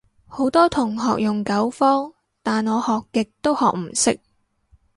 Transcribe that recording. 好多同學用九方，但我學極都學唔識